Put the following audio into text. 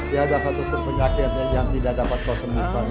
tiada satu pun penyakitnya yang tidak dapat kau sembuhkan